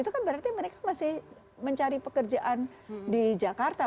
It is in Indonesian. itu kan berarti mereka masih mencari pekerjaan di jakarta